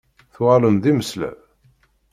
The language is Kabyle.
Tuɣalem d imeslab?